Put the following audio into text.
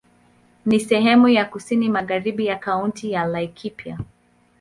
Ni sehemu ya kusini magharibi ya Kaunti ya Laikipia.